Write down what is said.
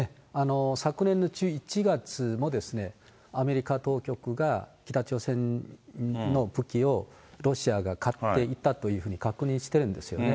昨年のつぎー、アメリカ当局が北朝鮮の武器をロシアが買っていたというふうに確認してるんですよね。